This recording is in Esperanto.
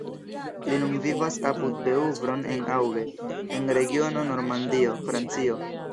Li nun vivas apud Beuvron-en-Auge, en regiono Normandio, Francio.